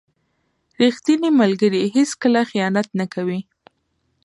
• ریښتینی ملګری هیڅکله خیانت نه کوي.